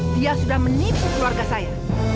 dia sudah menipu keluarga saya